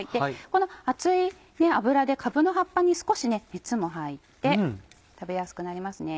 この熱い油でかぶの葉っぱに少し熱も入って食べやすくなりますね。